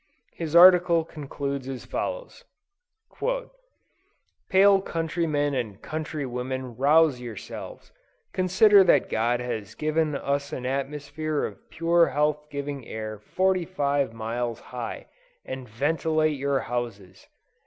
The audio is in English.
His article concludes as follows: "Pale countrymen and countrywomen rouse yourselves! Consider that God has given us an atmosphere of pure health giving air 45 miles high, and ventilate your houses."